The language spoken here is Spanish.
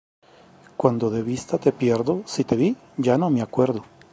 Cuando de vista te pierdo, si te vi ya no me acuerdo.